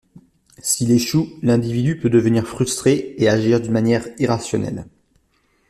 S'il échoue, l'individu peut devenir frustré et agir d'une manière irrationnelle.